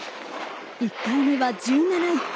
１回目は１７位。